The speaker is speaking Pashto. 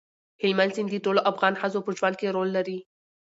هلمند سیند د ټولو افغان ښځو په ژوند کې رول لري.